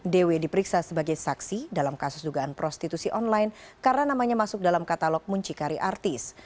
dw diperiksa sebagai saksi dalam kasus dugaan prostitusi online karena namanya masuk dalam katalog muncikari artis